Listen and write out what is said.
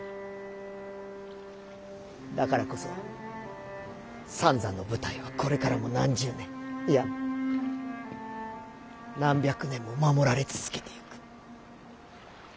だからこそ三座の舞台はこれからも何十年いや何百年も守られ続けていく。